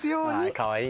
かわいい。